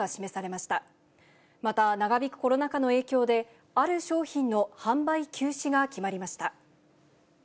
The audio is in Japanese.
また、長引くコロナ禍の影響で、ある商品の販売休止が決まりました。